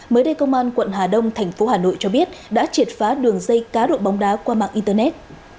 mới đây công an quận hà đông thành phố hà nội cho biết đã triệt phá đường dây cá độ bóng đá qua mạng internet